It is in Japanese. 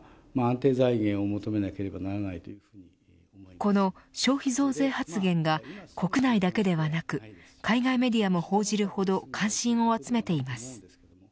この消費増税発言が国内だけではなく海外メディアも報じるほど関心を集めています。